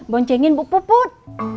boncengin bu puput